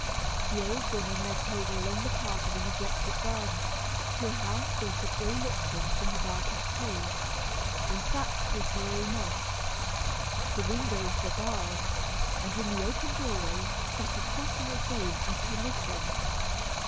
The old woman led Hilda along the path of a neglected garden, to a house built of gray lichen from the bark of trees, and thatched with hoary moss. The windows were barred, and in the open doorway sat a cross old dame, at her knitting.